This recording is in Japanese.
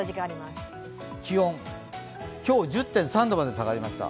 気温、今日１０．３度まで下がりました